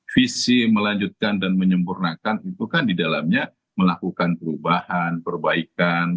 visi melanjutkan dan menyempurnakan itu kan di dalamnya melakukan perubahan perbaikan